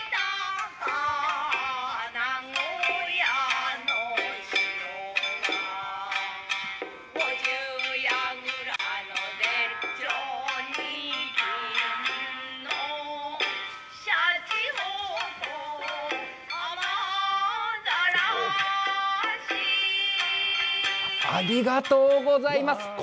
ありがとうございます。